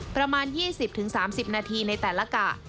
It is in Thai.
ประมาณ๒๐๓๐นาทีในแต่ละกะ